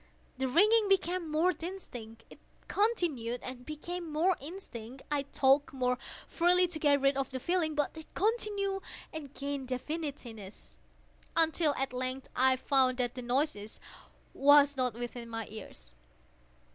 The ringing became more distinct:—it continued and became more distinct: I talked more freely to get rid of the feeling: but it continued and gained definiteness—until, at length, I found that the noise was not within my ears.